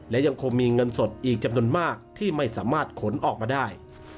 และยังคงมีเงินสดอีกจำนวนมากที่ไม่สามารถขนออกมาได้